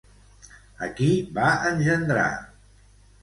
A qui va engendrar?